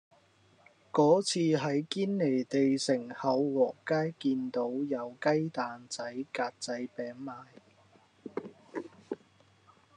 嗰次喺堅尼地城厚和街見到有雞蛋仔格仔餅賣